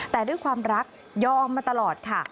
แต่ด้วยความรักยอมมาตลอดค่ะ